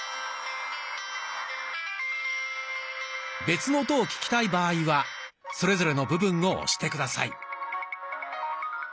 別の音を聞きたい場合はそれぞれの部分を押して下さい。